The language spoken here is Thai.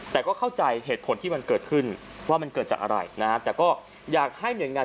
แต่ก็เข้าใจเหตุผลที่มันเกิดขึ้นว่ามันเกิดจากอะไรนะครับ